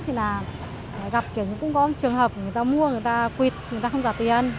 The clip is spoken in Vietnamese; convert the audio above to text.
thì là gặp kiểu cũng có trường hợp người ta mua người ta quỵt người ta không giả tiền